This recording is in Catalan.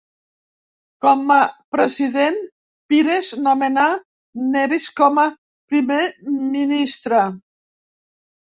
Com a President, Pires nomenà Neves com a primer ministre.